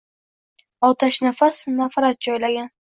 Otashnafas nafrat joylagin.